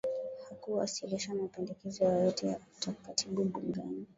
hakuwasilisha mapendekezo yoyote ya katiba bungeni